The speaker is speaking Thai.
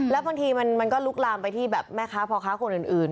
แล้วบางทีมันก็ลุกลามไปที่แบบแม่ค้าพ่อค้าคนอื่น